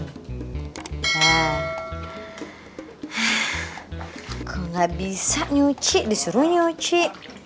aku tidak bisa mencuci disuruh mencuci